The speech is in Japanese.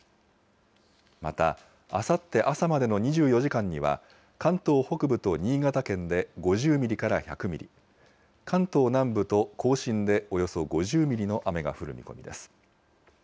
また、あさって朝までの２４時間には、関東北部と新潟県で５０ミリから１００ミリ、関東南部と甲信でおよそ５０ミリの雨が降る見込みです。